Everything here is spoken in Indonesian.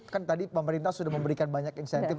kan tadi pemerintah sudah memberikan banyak insentif